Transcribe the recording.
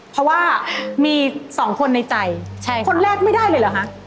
เพราะว่ามีสองคนในใจคนแรกไม่ได้เลยเหรอคะ